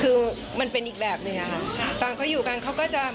คือมันเป็นอีกแบบหนึ่งอะค่ะตอนเขาอยู่กันเขาก็จะ